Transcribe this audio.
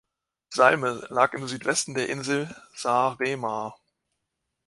Salme lag im Südwesten der Insel Saaremaa.